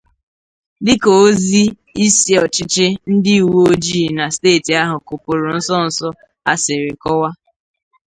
Dịka ozi isi ọchịchị ndị uwe ojii na steeti ahụ kụpụrụ nso-nso a siri kọwaa